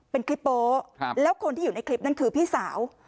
เป็นคลิปโป๊ะแล้วคนที่อยู่ในคลิปนั้นคือพี่สาว